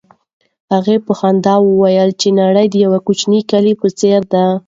هغې په خندا وویل چې نړۍ د یو کوچني کلي په څېر ده.